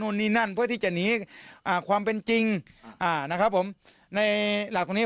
ว่าวันอีก๔ทวิศาแบบนี้